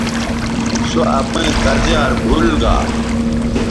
سو اپئیں کزیار بھول گا